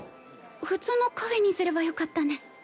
普通のカフェにすればよかったね。